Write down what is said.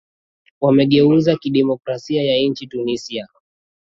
wamageuzi ya kidemokrasia ya nchini tunisia